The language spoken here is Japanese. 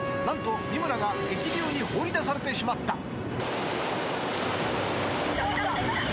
［何と三村が激流に放り出されてしまった］